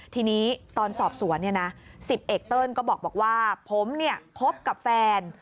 ทีนี้ตอนสอบสวน๑๐เอกเติ้ลก็บอกว่าผมคบกับแฟน